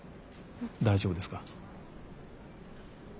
大丈夫ですか？